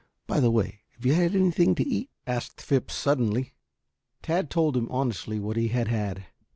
By the way, have you had anything to eat?" asked Phipps suddenly. Tad told him honestly what he had had.